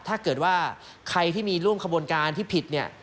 ถ้าเกิดว่าใครที่มีร่วมกระบวนการที่ผิด